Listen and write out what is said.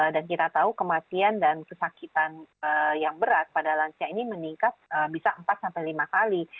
dan kita tahu kematian dan kesakitan yang berat pada lansia ini meningkat bisa empat lima kali